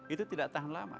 itu tidak tahan lama